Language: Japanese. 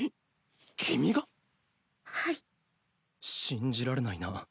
信じられないな。